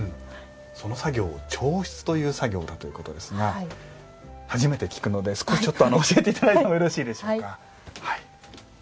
その作業彫漆という作業だということですが初めて聞くので少しちょっと教えて頂いてもよろしいでしょうか。